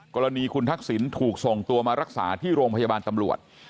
กรณีคุณทักษิณถูกส่งตัวมารักษาที่โรงพยาบาลตำรวจ